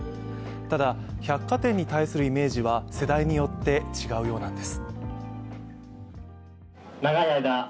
ただ、百貨店に対するイメージは世代によって違うようなんです。